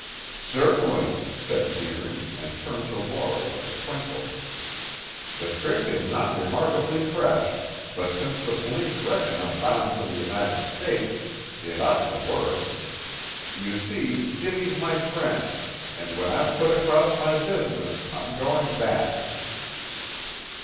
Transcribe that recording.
"Certainly," said Deering and turned to Laura with a twinkle. "The trick is not remarkably fresh, but since the police reckon I'm bound for the United States, it ought to work. You see, Jimmy's my friend, and when I've put across my business I'm going back."